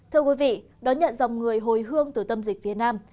thưa quý vị đón nhận dòng người hồi hương từ tâm dịch phía nam